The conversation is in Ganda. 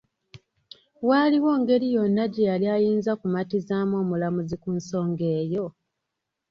Waaliwo ngeri yonna gye yali ayinza kumatizaamu omulamuzi ku nsonga eyo?